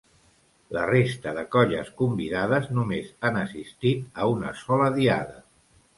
La resta de colles convidades només han assistit a una sola diada.